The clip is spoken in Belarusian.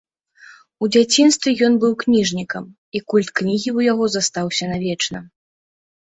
У дзяцінстве ён быў кніжнікам, і культ кнігі ў яго застаўся навечна.